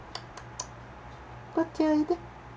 こっちおいで。